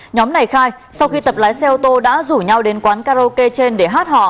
nhóm này khai sau khi tập lái xe ô tô đã rủ nhau đến quán karaoke trên để hát họ